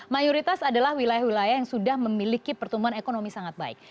mayoritas adalah wilayah wilayah yang sudah memiliki pertumbuhan ekonomi sangat baik